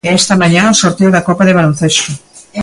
E esta mañá o sorteo da Copa de baloncesto.